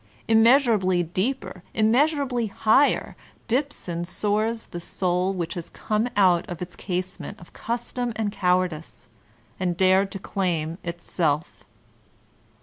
Immeasurably deeper, immeasurably higher, dips and soars the soul which has come out of its casement of custom and cowardice, and dared to claim its Self.